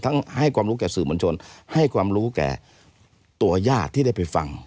ให้ความรู้แก่สื่อมวลชนให้ความรู้แก่ตัวญาติที่ได้ไปฟัง